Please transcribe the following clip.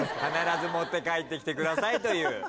必ず持って帰ってきてくださいという。